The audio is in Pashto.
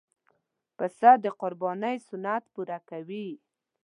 پسه د قربانۍ سنت پوره کوي.